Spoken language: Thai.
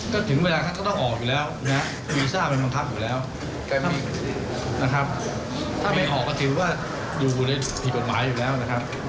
คือผมก็อยู่กับการข่าวมาตลอดนะครับผมก็พูดมาตลอดว่าบ้านเราไม่มีนะครับ